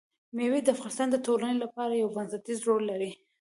مېوې د افغانستان د ټولنې لپاره یو بنسټيز رول لري.